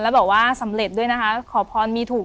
แล้วบอกว่าสำเร็จด้วยนะคะขอพรมีถูก